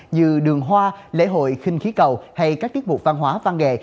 như đường hoa lễ hội kinh khí cầu hay các tiết mục văn hóa văn nghệ